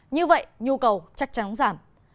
như vậy nhu cầu chắc chắn giảm